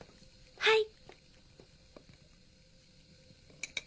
はい。